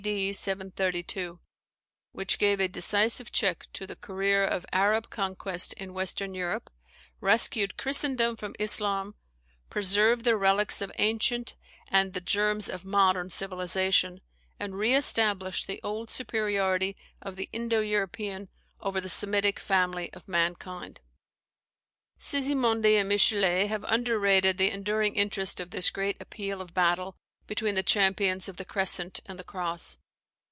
D. 732, which gave a decisive check to the career of Arab conquest in Western Europe, rescued Christendom from Islam, preserved the relics of ancient and the germs of modern civilization, and re established the old superiority of the Indo European over the Semitic family of mankind. Sismondi and Michelet have underrated the enduring interest of this great Appeal of Battle between the champions of the Crescent and the Cross.